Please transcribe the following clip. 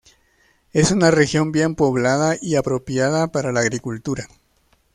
Es una región bien poblada y apropiada para la agricultura.